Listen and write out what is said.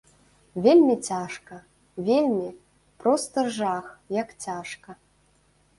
Вельмі цяжка, вельмі, проста жах, як цяжка!